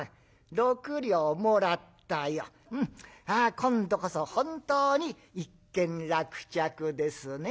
今度こそ本当に一件落着ですね。